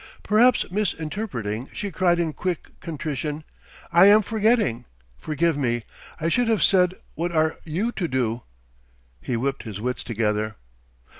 Perhaps misinterpreting, she cried in quick contrition: "I am forgetting! Forgive me. I should have said: what are you to do?" He whipped his wits together.